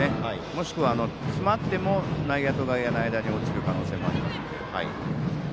もしくは詰まっても内野と外野の間に落ちる可能性がありますので。